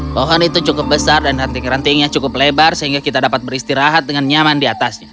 pohon itu cukup besar dan ranting rantingnya cukup lebar sehingga kita dapat beristirahat dengan nyaman di atasnya